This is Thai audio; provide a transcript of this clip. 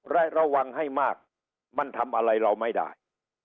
และระวังให้มากมันทำอะไรเราไม่ได้